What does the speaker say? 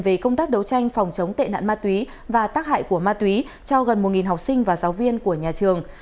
về công tác đấu tranh phòng chống tệ nạn ma túy và tác hại của ma túy cho gần một học sinh và giáo viên của nhà trường